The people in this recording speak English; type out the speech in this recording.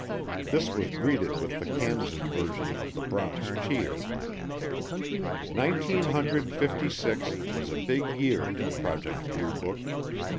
This was greeted with the Kansan version of the Bronx Cheer. Nineteen hundred fifty six was a big year for Project Blue Book.